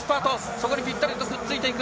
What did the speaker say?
そこにぴったりとくっつく